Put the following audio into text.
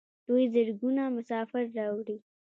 دوی زرګونه مسافر راوړي.